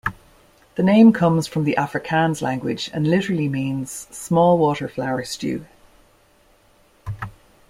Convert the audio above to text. The name comes from the Afrikaans language and literally means 'small water flower stew'.